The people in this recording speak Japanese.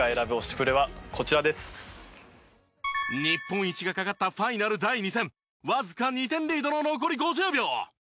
日本一がかかったファイナル第２戦わずか２点リードの残り５０秒。